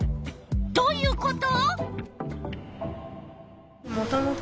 どういうこと？